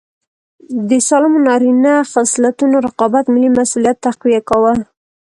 د سالمو نارینه خصلتونو رقابت ملي مسوولیت تقویه کاوه.